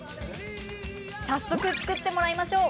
早速、作ってもらいましょう。